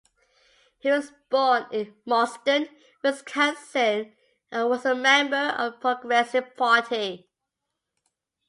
He was born in Mauston, Wisconsin and was a member of the Progressive Party.